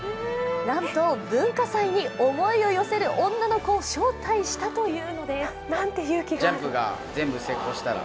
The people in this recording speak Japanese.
なんと文化祭に思いを寄せる女の子を招待したというのです。